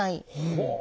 ほう。